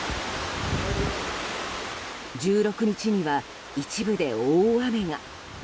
１６日には一部で大雨が。